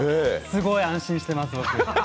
すごい安心しています。